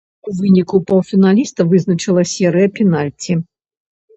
У выніку паўфіналіста вызначыла серыя пенальці.